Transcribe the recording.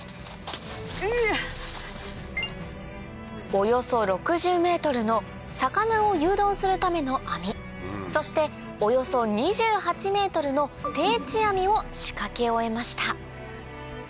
およそ６０ｍの魚を誘導するための網そしておよそ２８ｍの定置網を仕掛け終えました